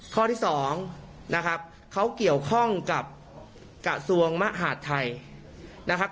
ข้อที่สองนะครับเขาเกี่ยวข้องกับกระทรวงมหาดไทยนะครับ